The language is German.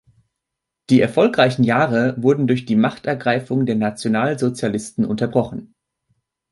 Die erfolgreichen Jahre wurden durch die „Machtergreifung“ der Nationalsozialisten unterbrochen.